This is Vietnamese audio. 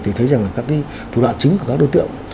thì thấy rằng là các cái thủ đoạn chính của các đối tượng